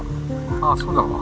ああそうだわ